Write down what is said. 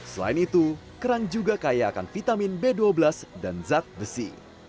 selain itu kerang juga kaya akan vitamin b dua belas dan zat besi